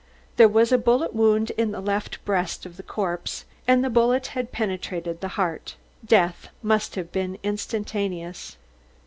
There was a bullet wound in the left breast of the corpse, and the bullet had penetrated the heart. Death must have been instantaneous.